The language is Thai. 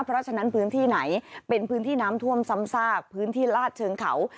เพราะฉะนั้นพื้นที่ไหนเป็นพื้นที่น้ำท่วมซ้ำซากพื้นที่ลาดเชิงเขา